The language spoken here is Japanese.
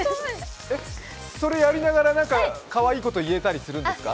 それやりながらかわいいこと言えたりするんですか。